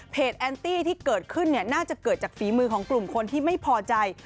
แอนตี้ที่เกิดขึ้นน่าจะเกิดจากฝีมือของกลุ่มคนที่ไม่พอใจ